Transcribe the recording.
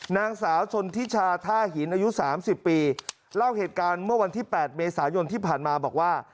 นางสาวชนทิชาท่าหินอายุ๓๐ปีเล่าเหตุการณ์เมื่อวันที่๘เมษายนที่ผ่านมาบอกว่า